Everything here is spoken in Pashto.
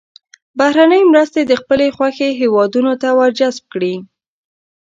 بهرنۍ مرستې د خپلې خوښې هېوادونو ته ور جذب کړي.